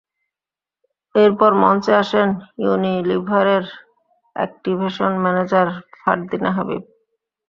এরপর মঞ্চে আসেন ইউনিলিভারের অ্যাকটিভেশন ম্যানেজার ফারদিনা হাবিব।